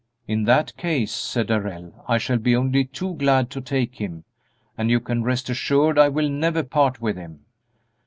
"In that case," said Darrell, "I shall be only too glad to take him, and you can rest assured I will never part with him."